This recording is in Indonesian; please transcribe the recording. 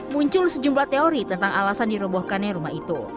muncul sejumlah teori tentang alasan dirobohkannya rumah itu